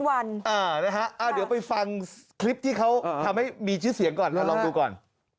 เดี๋ยวไปฟังคลิปที่เขาทำให้มีชื่อเสียงก่อนเราลองดูก่อน